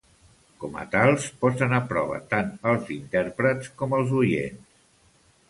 Com a tals, posen a prova tant els intèrprets com els oients.